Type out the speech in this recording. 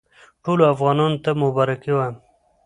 ټولو افغانانو ته مبارکي وایم.